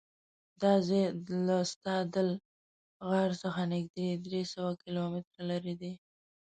دا ځای له ستادل غار څخه نږدې درېسوه کیلومتره لرې دی.